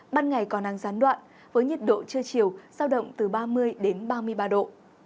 ban ngày còn nắng gián đoạn với nhiệt độ trưa chiều sao động từ ba mươi ba mươi ba độ